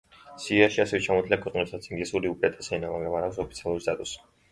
სიაში ასევე ჩამოთვლილია ქვეყნები, სადაც ინგლისური უპირატესი ენაა, მაგრამ არ აქვს ოფიციალური სტატუსი.